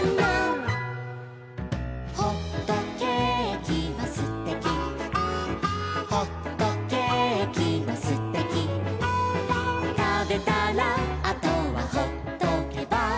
「ほっとけーきはすてき」「ほっとけーきはすてき」「たべたらあとはほっとけば」